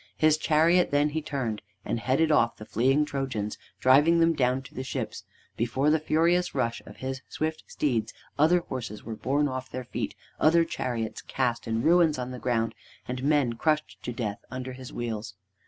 His chariot then he turned, and headed off the fleeing Trojans, driving them down to the ships. Before the furious rush of his swift steeds, other horses were borne off their feet, other chariots cast in ruins on the ground, and men crushed to death under his wheels.